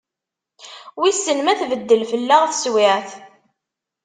Wissen ma tbeddel fell-aɣ teswiɛt?